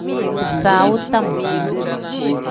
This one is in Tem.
Bisaawu tam.